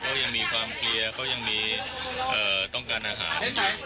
เขายังมีความเกลียร์เขายังมีต้องการอาหารอยู่